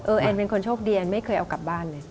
แอนเป็นคนโชคดีไม่เคยเอากลับบ้านเลย